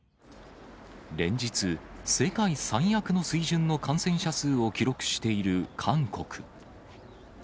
連日、世界最悪の水準の感染者数を記録している韓国。